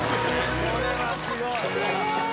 これはすごい。